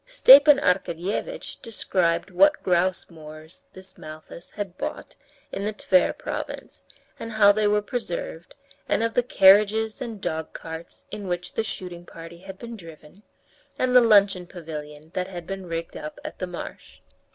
Stepan Arkadyevitch described what grouse moors this Malthus had bought in the Tver province, and how they were preserved, and of the carriages and dogcarts in which the shooting party had been driven, and the luncheon pavilion that had been rigged up at the marsh.